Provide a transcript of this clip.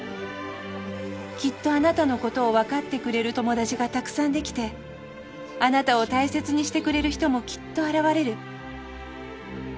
きっとあなたのことを分かってくれる友達がたくさんできてあなたを大切にしてくれる人もきっと現れる」。